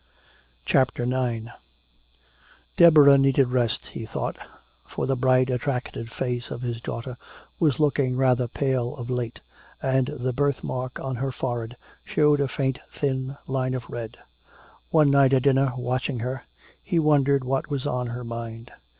CHAPTER IX DEBORAH needed rest, he thought, for the bright attractive face of his daughter was looking rather pale of late, and the birthmark on her forehead showed a faint thin line of red. One night at dinner, watching her, he wondered what was on her mind.